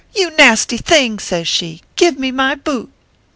you nasty thing, says she, i give me my bute.